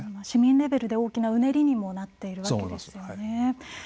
市民レベルで大きなうねりにもなっているわけですよね。